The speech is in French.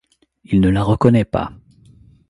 Il ne la reconnaît pas.